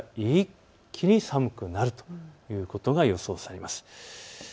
ですからから一気に寒くなるということが予想されます。